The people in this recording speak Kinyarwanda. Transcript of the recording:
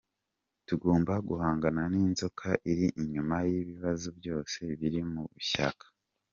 Tugomba guhangana n’inzoka iri inyuma y’ibibazo byose biri mu ishyaka.